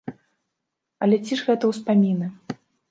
Але ці ж гэта ўспаміны?